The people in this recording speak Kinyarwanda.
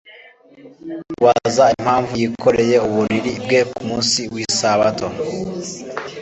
bamubaza impamvu yikoreye uburiri bwe ku munsi w’Isabato.